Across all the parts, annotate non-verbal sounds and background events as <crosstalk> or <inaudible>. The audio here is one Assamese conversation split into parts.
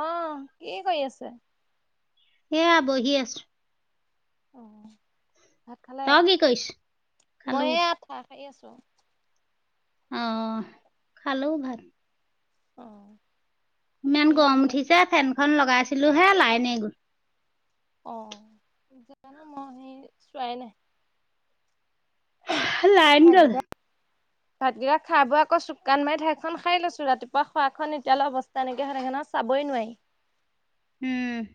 অৱ কি কৰি আছে? সেয়া বহি আছো। অ, ভাত খালে, তই কি কৰিছ মই খালো এই চাহ খাই আছোঁ। অৱ, খালো ভাত। অৱ। ইমান গৰম উঠিছে ফেনখনন লগাইছিলো হে লাইনে গ'ল। অ জানো মই সেই চোৱাই নাই। লাইন ভাত কেইটা <unintelligible> ভাতকেইাক খাই বই আকৌ চুকান মাৰি ঠাইখন হাৰি লৈছো ৰাতিপুৱা খোৱা খ এতিয়ালৈ অৱস্থা তেনেকে হৈ থাকে নহয় চাবই নোৱাৰি। উম।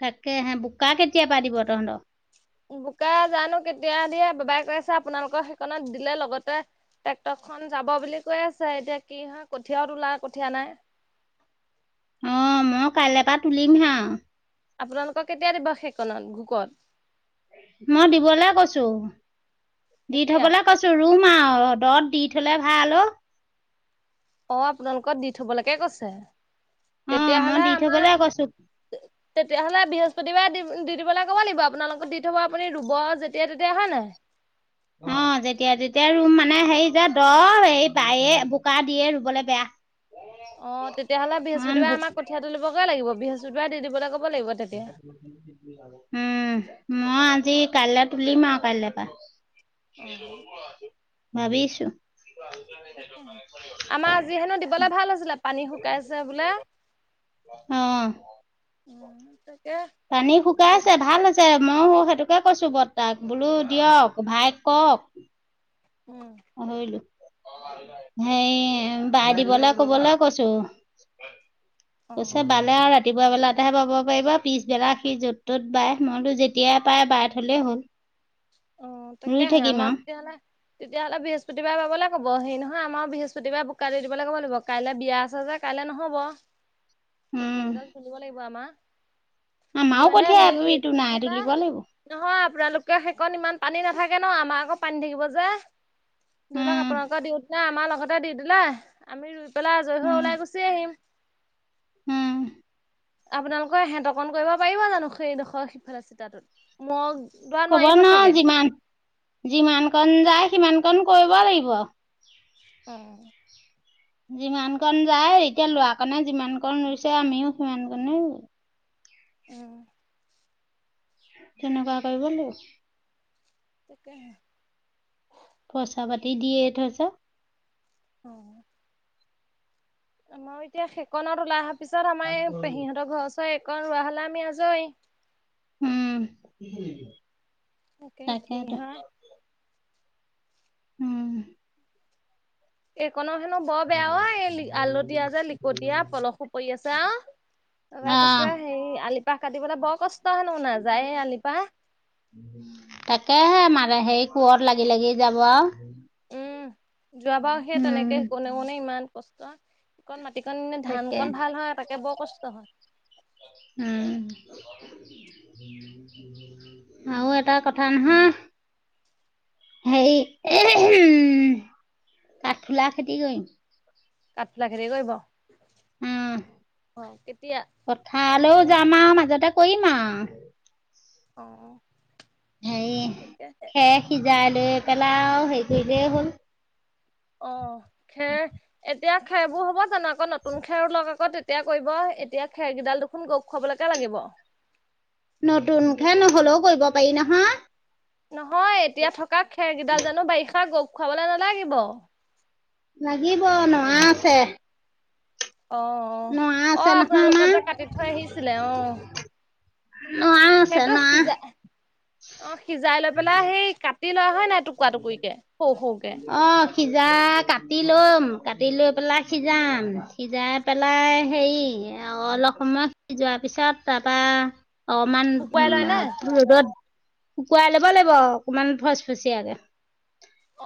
তাকে হে বোকা কেতিয়া পা দিব তহঁত? বোকা জানো কেতিয়া দিয়ে বাবাই কৈছে আপোনালোকক সেইকত দিলে লগতে ট্ৰেক্টৰ খন যাব বুলি কৈ আছে এতিয়া কি হয় কঠীয়াও তোলা কঠীয়া নাই। অৱ কাইলৈৰ পৰা তুলিম হা। আপোনালোকক কেতিয়া দিব সেইকনত গুকত মই দিবলৈ কৈছো, দি কেতিয়া? থবলে কৈছো ৰুম আৰু ৰ'দত দি থলে ভাল অ'। অ আপোনালোকক দি থবলৈকে কৈছে। অৱ মই তেতিয়াহ'লে দি আমাৰ থবলৈ কৈছো। তেতিয়াহ'লে বৃহস্পতিবাৰে দি-দি দিবলৈ ক'ব লাগিব আপোনালোকক দি থব আপুনি ৰুব যেতিয়া তেতিয়া হয় নাই। <unintelligible> অঁ যেতিয়া তেতিয়া ৰুম মানে হেৰি যে দ এই বায়ে বোকা দিয়ে ৰুবলে বেয়া। <unintelligible> অঁ তেতিয়াহ'লে ইমান বৃহস্পতিবাৰে বো আমাৰ কঠিয়া তুলিবগৈ লাগিব। বৃহস্পতিবাৰে দি দিবলৈ কব লাগিব। <unintelligible> উম! মই আজি কাইলৈ তুলিম আৰু কাইলৈ পৰা। <unintelligible> <unintelligible> ভাবিছোঁ। <unintelligible> আমাৰ আজি হেনো দিবলে ভাল আছিলে পানী শুকাইছে বোলে। অঁ! <unintelligible> উম <unintelligible> তাকে <inaudible> পানী কি শুকাই আছে, হয় ভাল এতিয়া আছে। <unintelligible> আছে মইয়ো সেইটোকে কৈছো বৰ্তাক বোলো দিয়ক, ভাইক কওক। <unintelligible> উম <unintelligible> পাহৰিলো <unintelligible> সেই বাই দিবলৈ কবলৈ কৈছো। কছা অ'। বাল <unintelligible> বালে আৰু ৰাতিপুৱা বেলাতেহে পাব পাৰিব, পিছবেলা সি য'ত ত'ত বাই মইতো যেতিয়াই বাই, বাই থলেই হ'ল। <unintelligible> অ, ৰুই তাকেহে থাকিম আমাৰ আৰু তেতিয়া হ'লে <unintelligible> তেতিয়াহ'লে বৃহস্পতিবাৰে বাবলৈ ক'ব, সেই নহয় আমাৰো বৃহস্পতিবাৰে বোকা দি দিবলৈ ক'ব লাগিব। কাইলৈ বিয়া আছে যে <unintelligible> কাইলৈ নহ'ব <unintelligible> <unintelligible> উম কঠিয়া কেইডাল তুলিব লাগিব আমাৰ। <unintelligible> আমাৰো মানে কঠিয়া সেই এই ইটো এইটো কি নাই কয় তুলিব লাগিব। <unintelligible> নহয় আপোনালোকে সেইকণ ইমান পানী নাথাকে ন, আমাৰ আকৌ পানী থাকিব যে। <unintelligible> ধৰি লওক উম আপোনালোকৰ দিওঁতে আমাৰ লগতে দি দিলা আমি ৰুই পেলাই আজৰি হৈ উম ওলাই গুচি আহিম। <unintelligible> উম। <inaudible> আপোনালোকৰ হেঁতকন কৰিব পাৰিব জানো সেইডোখৰ সিফালৰ চিতাটোত? <unintelligible> <unintelligible> দোৰা কব নোৱাৰিবা নোৱাৰো চাগে? যিমান যিমান কন যায় সিমান কন কৰিব লাগিব। <unintelligible> অঁ <inaudible> <unintelligible> যিমান কন যায়, এতিয়া লৰা কণে যিমান কণ ৰুইছে আমিও সিমান কনে ৰুম। <unintelligible> উম <inaudible> তেনেকুৱা কৰিব ল <unintelligible> তাকেহে <unintelligible> পইচা পাতি দিয়ে থৈচ <unintelligible> অঁ <inaudible> মই এতিয়া সেইকনত ওলাই অহাৰ পিছত আমাৰ এই সিহঁতৰ ঘৰ ওচৰ এইকণ ৰোৱা হ'লে আমি আজৰি। <unintelligible> উম <inaudible> তাকে কি তাকেতো হয়? <unintelligible> উম! <unintelligible> এইকনক হেনো বৰ বেয়া ঐ <unintelligible> এই আলতীয়া যে লিকটীয়া পলসো পৰি আছে আৰু। <unintelligible> তবাই অ কৈছে হে আলিপাহ কাটিবলে বৰ কষ্ট হেনো নাযায়ে আলিপাহ। তাকেহে মানে সেই কোঁৰত লাগি-লাগি যাব আৰু। <unintelligible> উম! যোৱাবাৰ সেই তেনেকে উম কোনে-কোনে ইমান কষ্ট। <unintelligible> সেই কণ মাটিকণ ধান তাকে কণ ভাল হয় তাকে বৰ কষ্ট হয়। <unintelligible> উম! <unintelligible> আৰু এটা কথা নহয় হেই এ উ কাঠুলা খেতি কৰিম কাাট লাখেৰিে কিব অ কেতিয়া পথালৈও একদম যাম আৰু মাজতে কৰিম আৰু অ হেৰি সয়ে খেৰ সিজাই লৈ পেলাই আৰু হেৰি কৰিলেই হ'ল অ খে এ এতিয়া খেৰবোৰ হ'ব জানো আকৌ নতুন খেৰো লওক আকৌ তেতিয়া কৰিব এতিয়া খেৰকেইডাল দুখোন গপ খুৱাবলৈকে লাগিব নতুনকে নহ'লেও কৰিব পাৰি নহয় নহয় এতিয়া থকা খেৰকেইডাল জানো বাৰিষা গপ খুৱাবলে নালাগিব লাগিব নোহা আছে অ অ নৰা আছে আহ নহয় আপোনালোকৰ যে আমাৰ কাটি থৈ আহিছিলে অ নহ আছে সেইটো ন সিজা অ সিজাই লৈ পেলাই সেই কাটি লোৱা হয় নাই টুৰা টুকুৰি কেে সৰু সৰুকে অঁ সিজা কাটি ল'ম কাটি লৈ পেলাই সিজাম সিজাই পেলাই হেৰি অলপ সময় যোৱাৰ পিছত তাৰপা অকমান শুকুৱাই লয় না ৰ'দত কুকুৱাই ল'ব লাগিব অকমান ফচ ফচিয়ীয়াকে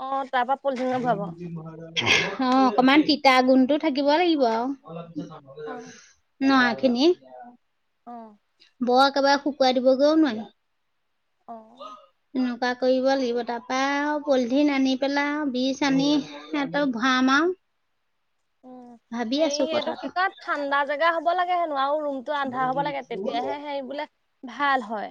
অ তাৰ পৰাা পলথ ন ভব মহাৰ অ অকমান তিতা গুণটো থাকিব লাগিব আৰু অ ন এখিনি অ বৰ একেবাৰে শুকুৱাই দিবগৈও নোৱাৰি আহ এনেকুৱা কৰিব লাগিব তাৰপা আৰু পলিথিন আনি পেলাই বীজ আনি সিহঁতক ভৰা ম আৰু ভাবি এই আছোঁ সেইটো কি কথাটো কয় ঠাণ্ডা জেগা হ'ব লাগে হেনো আৰু ৰুম টো আন্ধা হ'ব লাগে তেতিয়াহে সে বোলে ভাল হয়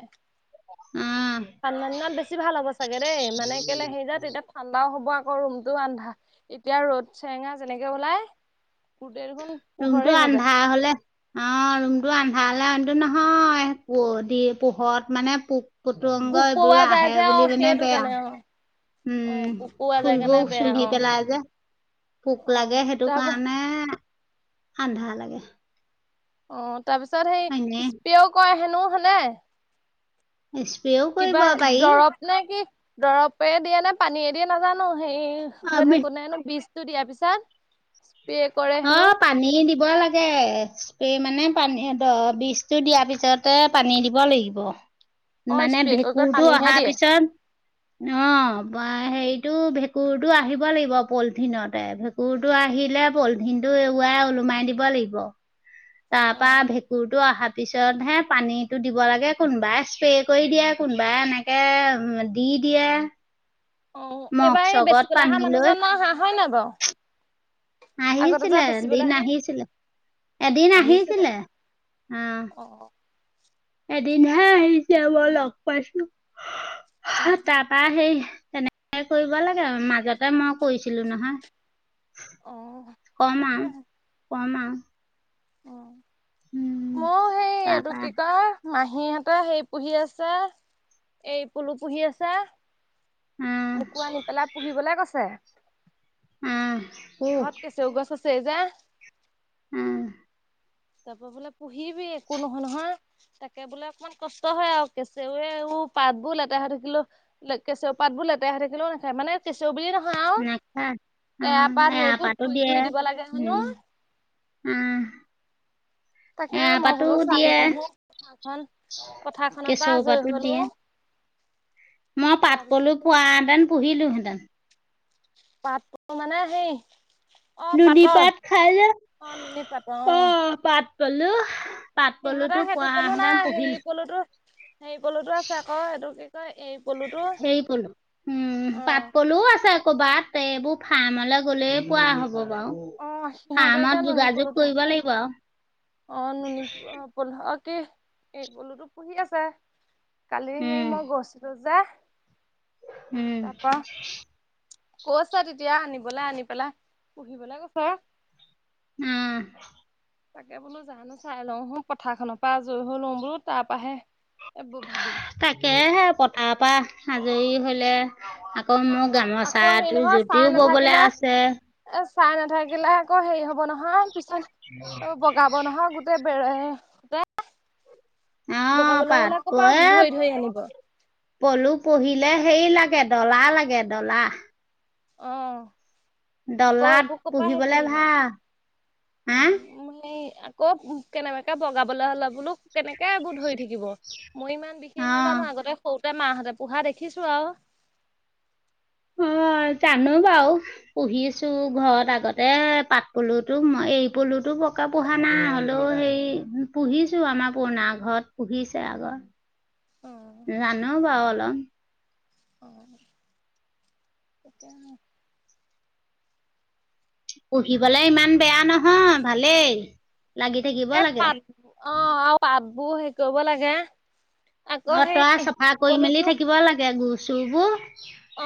উম ঠাণ্ডা দিনত বেছি ভাল হ'ব চাগে দেই মানে কেলে সে যায় তেতিয়া ঠাণ্ডাও হ'ব আকৌ ৰুমতটো আন্ধা এতিয়া ৰ'দ চেৰেঙা যেনেকে ওলাই গোটেই দেখনোন পোহৰে হৈ যায় নহ'লে অ ৰুমতটো আন্ধেটো নহয় প দি পোহত মানে পোক কুটুংগ পোক এইবোৰো পৰুৱা যায় আহে যে অ বুলি মানে সেইটো বেয়া কাৰণে অ অ উম পোক পৰুৱা ফুল যায় বৌ কাৰণে বেয়া শুখি অ পেলেলাই আজ পোক অ লাগে সেইটো তাৰপা কাৰণে আন্ধা লাগে অ তাৰপিছত হয়নে সেই স্প্ৰেও কৰে হেনো সেনেয় এছ পি অও কিবা দৰৱ নে কি দৰৱে দিয়ে নে পানীয়ে দিয়ে নাজানো হেৰি হৈ আমি থাকো নে বিজ দিয়াৰ পিছত স্পে অ পানী দিব লাগে স্প্ৰে মানে পানী দ বীজটো দিয়াৰ পিছতে পানী দিব লাগিব অ মানে স্প্ৰে কৰি কৰি ভেঁকুৰটো পানীহে অহাৰ দিয়ে পিছত অ হেৰিটো ভেঁকুৰটো আহিব লাগিব পলিথিনতে ভেঁকুৰটো আহিলে - পলিথিন টো এৰুৱাই ওলোমাই দিব লাগিব তাৰ অ পৰা ভেঁকুৰটো অহা- তাৰপিছতহে পানীটো দিব লাগে কোনোবাই স্প্ৰে কৰি দিয়ে কোনোবাই এনেকে - দি দিয়ে - অ এইবাৰ এই বেচিবলৈ অহা পানী লৈ মানুহজন নাই অহা হয় নাই বাৰু? আগতে যে আহিছিলে বেচিবলৈ এদিন আহে আহিছিলে এদিন আহিছিলে, আহ। অ এদিনহে আহিছে মই লগ পাইছো, অ তাৰপৰা সেই তেনেকে - তেনেকে কৰিব লাগে মাজতে মই কৰিছিলো নহয়। অ। কম আও তাকে কম আও। মইয়ো সেই এইটো তাৰপা কি কয়? মাহীহঁতে সেই পুহি আছে এৰি পুলু পুহি আছে। মোকো আহ আনি পেলাই পুহিবলে কৈছে। উম, পুহ। কেছৌ গছ আছেই যে। উম। তাৰপৰা বোলে পুহিবি একো নহয় নহয়। তাকে বোলে অকমান কষ্ট হয় আও কেঁচৌৱে ও পাতবোৰ লেতেৰা হৈ থাকিলো- কেচৌ পাতবোৰ লেতেৰা হৈ থাকিলেও নাখায়, মানে- কেঁচৌ বুলি নহয় আও নেখা আহ এৰাপাত সেইবোৰ এৰাপাতো ধুই দিয়ে ধুই দিব লাগে হেনো। উম, তাকে মই এৰাপাতো বোলো চাই দিয়ে লওঁচোন পথাৰখন - পথাৰখনৰ পৰা কেঁছৌ আজৰি পাতো হলো দিয়ে। মই পাট পলু তাৰপিছত পোৱাহেঁতেন পুহিলোহেঁতেন। পাট পলু মানে সেই- অ নুনী পাতৰ পাত খাই যে, অ নুনী পাতৰ অ আহ পাত পলু। পাট সিহঁতৰ পলুতো সেইটো পোৱা পলু নাই হেতেন হেৰি পহিলো - পলুটো - হেৰি পলুটো আছে আক এইটো কি কয় এৰি পলুটো, হেৰি পলু উম অ। পাট পলুও আছে ক'ৰবাত এইবোৰ ফাৰ্মলৈ গ'লে পোৱা হ'ব বাৰু। অ সিহঁতে এতিয়া ফাৰ্মত নুনী যোগাযোগ পলুটো কৰিব লাগিব আও। পোন্ধ কি এৰি পলুতো পুহি আছে, কালি সেই উম মই গৈছিলো যে - উম। কৈছে তেতিয়া নিবলে আনি পেলাই পুহিবলে কৈছে। উম। তাকে বোলো জানো চাই লওঁ হু পথাৰখনৰ পৰা আজৰি হৈ লওঁ বোলো তাৰ পৰাহে - এইবোৰ ভাবিম। তাকেহে পথাৰ পা আজৰি হ'লে - আকৌ মোৰ আকৌ গামোচা হেৰি টো নহয় চাই যোটিও ববলে নাথাকিলে আছে। এ চাই নাথাকিলে আকৌ হেৰি হব নহয় পিছত বগাব নহয় গোটেই - গোটেই বেৰে চেৰে, অ বগাবলৈ পাত হ'লে ক প এ ধৰি ধৰি আনিব। পলু পুহিলে সেই লাগে ডলা লাগে ডলা। অহ, আকৌ ডলাত এইবোৰ ক পা হেৰি কৰি পুহিবলে থাকিব, ভাল হা উম। মানে আকৌ কেনেবাকে বগাবলে হ'লে বোলো - কেনেকে এইবোৰ ধৰি থাকিব, মই ইমান বিশেষ অ নাজানো আগতে সৰুতে মাহঁতে পোহা দেখিছো আও। মই জানো বাৰু। পুহিছো ঘৰত আগতে পাট পলুটো মই এৰি পলুটো পকা পোহা নাই হ'লেও সেই পুহিছো আমাৰ পুৰণা ঘৰত পুহিছে আগৰ। অ জানো বাও অল অ তাকেই আও। পুহিবলে ইমান বেয়া নহয় ভালেই লাগি থাকিব এই লাগে। পাত অ আৰু পাতবোৰ হেৰি কৰিব লাগে। আকৌ অ সেই তই আৰু চফা কৰি মেলি পলুটো থাকিব লাগে গু চু বো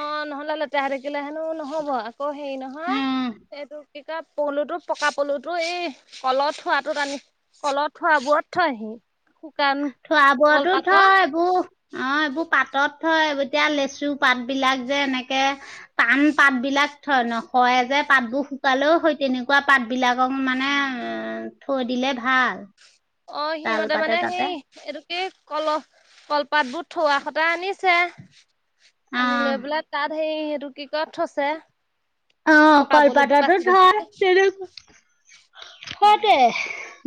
অ নহলে লেতেৰা থাকিলে হেনো নহব আকৌ হেৰি উম নহয় এটো কি কয় পৌলুটো পকা পলুটো এই কলত থোৱাটোত আনি কলত থোৱাবোৰত থয়হি শুকান থোৱাবোৰোতো কলপাতৰ থয় এইবো অ এইবোৰ পাতত থয় এতিয়া লেচু পাত বিলাক যে এনেকে টান পাত বিলাক থয় নসৰে যে পাতবোৰ শুকালেও হয় তেনেকুৱা পাত বিলাকক মানে থৈ দিলে ভাল। অ তাল সিহঁতে পাতে মানে তাতে সেই এইটো এই কলহ কলপাতবোৰ থোৱা খটা আনিছে। অ আনি লৈ পেলাই তাত সেই সেইটো কি কয়ত থৈছে। অ পকা পলুবোৰ কলপাততো বাচি বাচি থয় তেনেুৱা সতে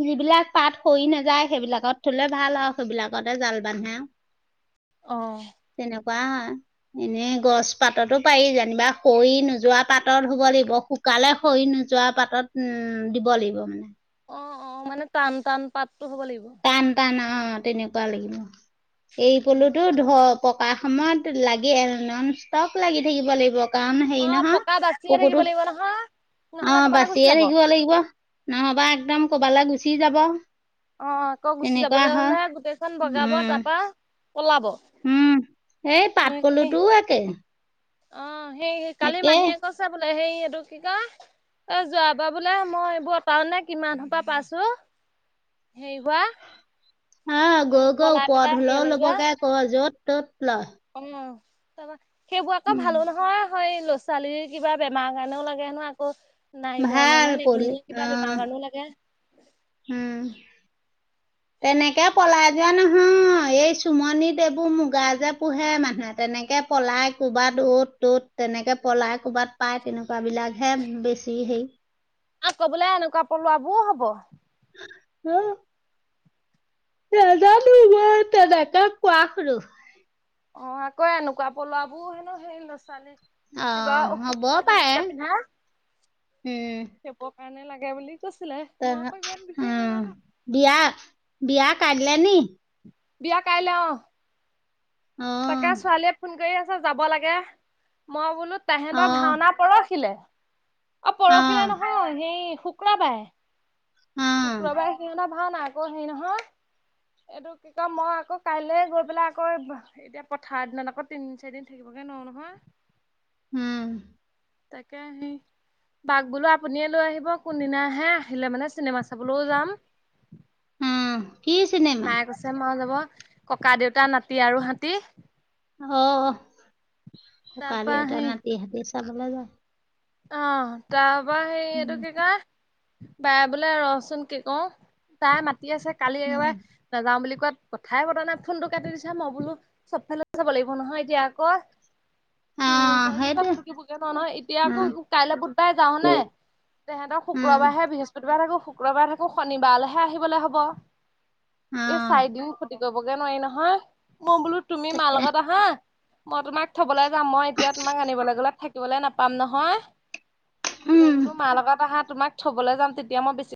যিবিলাক পাত সৰি নাযায় সেইবিলাকত থলে ভাল আও সেইবিলাকতে জাল বান্ধে আও। অ। তেনেকুৱা এনেই গছ পাততো পাৰি যেনিবা সৰি নোযোৱাত পাতত শুব লাগিব শুকালে সৰি নোযোৱা পাতত উম দিব লাগিব মানে। অ অ মানে টান টান পাতটো হ'ব লাগিব। টান টান অ তেনেকুৱা লাগিব এৰি উম পলুতো ধপ পকা সময়ত লাগি নন ষ্টপ লাগি থাকিব লাগিব। কাম হেৰি অ নহয় পকা বাচিয়ে থাকিব কুকুৰটো, লাগিব নহয় অ নহ'লে ক'বালৈ গুচি বাচিয়ে যাব থাকিব লাগিব। নহ'বা একদম কবালে গুচি যাব। অ আকৌ গুচি তেনেকুৱা যাবলে হয় হ'লে গোটেইখন বগাব তা উম পা পলাব। উম এই সেইখিনি পাটপলুটো একেই। অ সেই কালি মাহীয়ে কৈছে বোলে সেই এইটো কি কয় এ যোৱাবাৰ বোলে মই এইবো টাওনে কিমান সোপা পাইছো। সেই হোৱা আ এ গৈ গৈ পলাই পেলাই ওপৰত হ'লেও হেৰিয়লে যোৱা ল'বগে ক য'ত ত'ত লয়। অ তা পা সেইবোৰ আকৌ উম, ভালো নহয়। হয় ল'ৰা-ছোৱালীৰ কিবা বেমাৰ কাৰণেও লাগে নহয় আকৌ নাই ভাল বৰ্ণনা পলি নিবনিয়া কিবা বেমাৰৰ কাৰণেও লাগে। হু। তেনেকে পলাই যোৱা নহয় এই চুমনিত এইবোৰ মুগা যে পোহে মানুহে তেনেকে পলাই ক'ৰবাত অ'ত ত'ত তেনেকে পলাই ক'বাত পায় তেনেকুৱা বিলাকহে বেছি সেই আকৌ বোলে এনেকুৱা পলোৱা বোৰো হ'ব। <unintelligible> নেজানো মই তেনেকে কোৱা শুনো। অ আকৌ এনেকুৱা পলোৱাবোৰ হেনো সেই ল'ৰা-ছোৱালীক কিবা অ', অসুখ হ'ব হ'লে দিঙিত পাৰে যে পিন্ধাই উম, হেপ কাৰণে লাগে বুলি কৈছিলে মই তেনে আকৌ ইমান বিশেষ উম, নাজানো। বিয়া বিয়া কাইলে নি বিয়া কাইলে অ অ তাকে ছোৱালীয়ে ফোন কৰি আছে যাব লাগে মই বোলো তাহেতৰ অ', ভাওনা পৰহিলে অ পৰহিলে নহয় সেই শু ক্ৰবাৰে উম, শুক্ৰবাৰে সিহঁত ভাওনা আকৌ হেৰি নহয় এইটো কি কয় মই আকৌ কাইলে গৈ পেলাই আকৌ এতিয়া পথাৰ দিনত আকৌ তিনিদিন চাৰিদিন থাকিবগে নোৱাৰো নহয় উম তাকে হেৰি তাক বোলো আপুনিয়ে লৈ আহিব কোনদিনা আহে আহিলে মানে চিনেমা চাবলৈও যাম উম কি চিনেমা? মায়ে কৈছে মাও যাব ককা দেউতা নাতি আৰু হাতী অ ককা তাৰপা দেউতা নাতি হাতী চাবলে যায় অহ তাৰপৰা সেই এইটো উম, কি কয় বাই বোলে ৰচোন কি কও তাই মাতি আছে কালি উম, একেবাৰে নাযাও বুলি কোৱাত কথাই পতা নাই ফোনটো কাটি দিছা মই বোলো চবফালে চাব লাগিব নহয় এতিয়া আকৌ তিনদিন অ', চাৰিদিন সেইটোৱে তাত থাকিবগে নোৱাৰো নহয় এতিয়া উম, আকৌ কাইলে বুধবাৰে যাও নে তেহেঁতক উম, শুক্ৰবাৰহে বৃহস্পতিবাৰে থাকো শুক্ৰবাৰে থাকো শনিবাৰলৈহে আহিবলে হ'ব <unintelligible> এই চাৰিদিন ক্ষতি কৰিবগে নোৱাৰি নহয় মই বোলো তুমি মাৰ তাকে লগত আহা মই তোমাক থবলৈ যাম মই এতিয়া তোমাক আনিবলৈ গলে থাকিবলে নাপাম নহয় তুমি উম। বোলো মাৰ লগত আহা তোমাক থবলৈ যাম তেতিয়া মই বেছি